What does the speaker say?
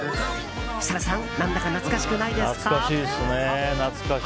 設楽さん何だか懐かしくないですか？